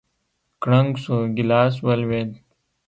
کړنگ سو گيلاس ولوېد.